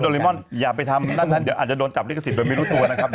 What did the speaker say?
ลิมอนอย่าไปทำนั่นเดี๋ยวอาจจะโดนจับลิขสิทธิโดยไม่รู้ตัวนะครับ